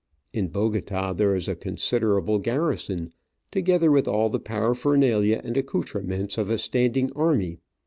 In Bogota there is a considerable garrison, together with all the paraphernalia and accoutrements of a standing army.